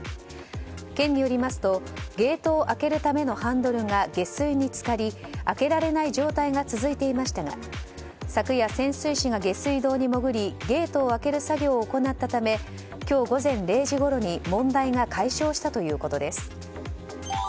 県によりますとゲートを開けるためのハンドルが下水につかり開けられない状態が続いていましたが昨夜、潜水士が下水道に潜りゲートを開ける作業を行ったため今日午前０時ごろに問題が解消したということです。